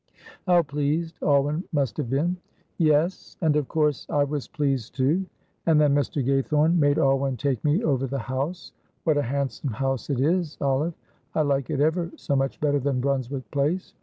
"How pleased Alwyn must have been." "Yes, and, of course, I was pleased, too; and then Mr. Gaythorne made Alwyn take me over the house. What a handsome house it is, Olive! I like it ever so much better than Brunswick Place.